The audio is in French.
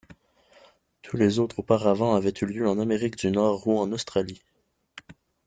Tous les autres auparavant avaient eu lieu en Amérique du Nord ou en Australie.